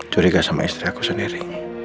curiga sama istri aku sendiri